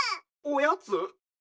おやつ！？